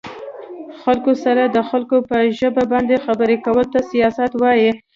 خلکو سره د خلکو په ژبه باندې خبرې کولو ته سياست وايه